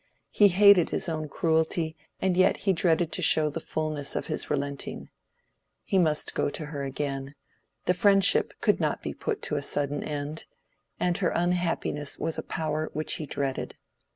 He hated his own cruelty, and yet he dreaded to show the fulness of his relenting: he must go to her again; the friendship could not be put to a sudden end; and her unhappiness was a power which he dreaded.